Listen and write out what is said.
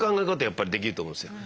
やっぱりできると思うんですよ。